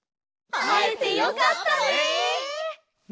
あえてよかったですね！